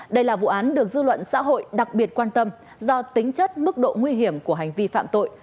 đây là vụ án được dư luận xã hội đặc biệt quan tâm do tính chất mức độ nguy hiểm của hành vi phạm tội